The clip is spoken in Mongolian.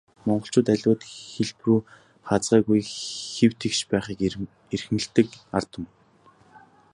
Монголчууд аливаад хэлбэрүү хазгайгүй, хэм тэгш байхыг эрхэмлэдэг ард түмэн.